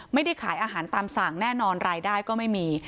ไม่ได้ขายอาหารตามสั่งแน่นอนรายได้ก็ไม่มี